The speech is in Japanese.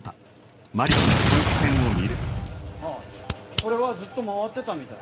ああそれはずっと回ってたみたい。